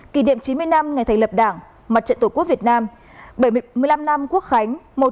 kỷ niệm chín mươi năm ngày thành lập đảng mặt trận tổ quốc việt nam bảy mươi năm năm quốc khánh